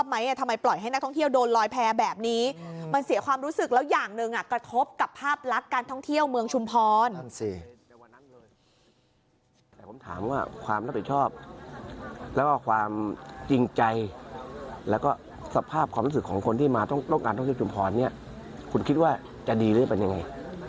แต่ผมถามว่าความรับผิดชอบแล้วก็ความจริงใจแล้วก็สภาพความรู้สึกของคนที่มาต้องการท่องเที่ยวชุมพรเนี่ยคุณคิดว่าจะดีหรือเป็นยังไง